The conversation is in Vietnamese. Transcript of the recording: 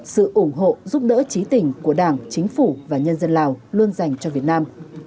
sự ủng hộ giúp đỡ trí tình của đảng chính phủ và nhân dân lào luôn dành cho việt nam